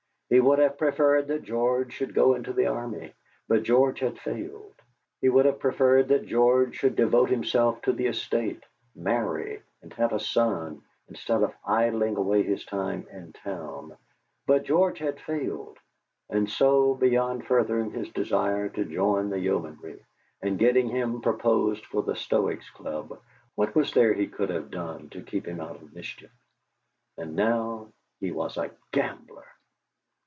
He would have preferred that George should go into the Army, but George had failed; he would have preferred that George should devote himself to the estate, marry, and have a son, instead of idling away his time in town, but George had failed; and so, beyond furthering his desire to join the Yeomanry, and getting him proposed for the Stoics' Club, what was there he could have done to keep him out of mischief? And now he was a gambler!